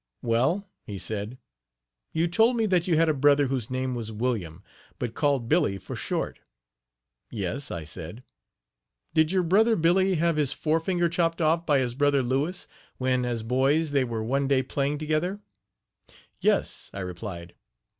"Well," he said, "you told me that you had a brother whose name was William, but called Billy for short?" "Yes," I said. "Did your brother Billy have his fore finger chopped off by his brother Louis, when, as boys, they were one day playing together?" "Yes," I replied.